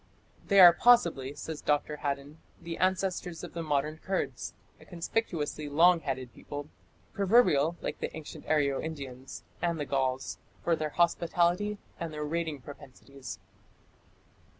"They are possibly", says Dr. Haddon, "the ancestors of the modern Kurds", a conspicuously long headed people, proverbial, like the ancient Aryo Indians and the Gauls, for their hospitality and their raiding propensities.